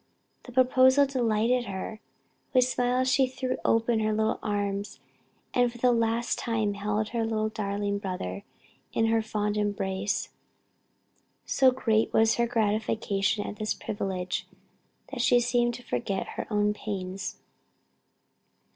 The proposal delighted her; with smiles she threw open her little arms and for the last time held her darling brother in her fond embrace. So great was her gratification at this privilege, that she seemed to forget her own pains.